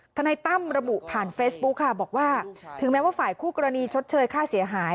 นายตั้มระบุผ่านเฟซบุ๊คค่ะบอกว่าถึงแม้ว่าฝ่ายคู่กรณีชดเชยค่าเสียหาย